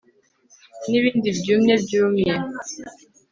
Nibindi byumye byumye